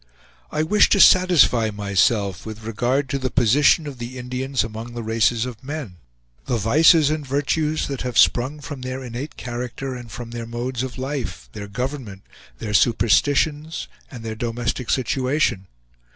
I wished to satisfy myself with regard to the position of the Indians among the races of men; the vices and the virtues that have sprung from their innate character and from their modes of life, their government, their superstitions, and their domestic situation.